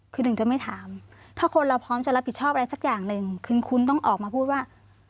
คือหนึ่งจะไม่ถามถ้าคนเราพร้อมจะรับผิดชอบอะไรสักอย่างหนึ่งคือคุณต้องออกมาพูดว่า